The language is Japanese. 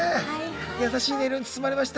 優しい音色に包まれました。